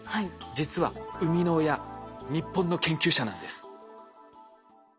実は生みの親日本の研究者なんです。